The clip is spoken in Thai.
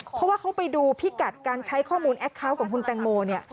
เพราะว่าเขาไปดูพิกัดการใช้ข้อมูลแอคเคาน์ของคุณแตงโมเนี่ย